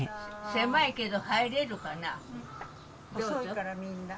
狭いけど入れるかな。